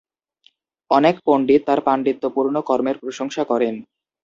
অনেক পণ্ডিত তার পাণ্ডিত্যপূর্ণ কর্মের প্রশংসা করেন।